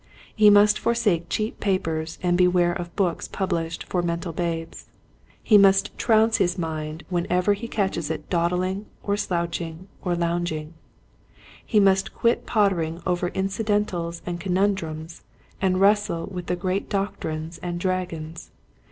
He must forsake cheap papers and beware of books published for mental babes. He must trounce his mind whenever he 48 Quiet Hints to Growing Preachers. catches it dawdling or slouching or loun ging. He must quit pottering over inci dentals and conundrums and wrestle with the great doctrines and dragons.